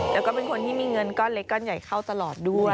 แล้วก็เป็นคนที่มีเงินก้อนเล็กก้อนใหญ่เข้าตลอดด้วย